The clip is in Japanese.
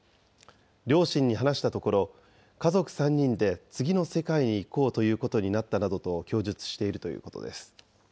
両親に話したところ、家族３人で次の世界にいこうということになったと供述しているということです。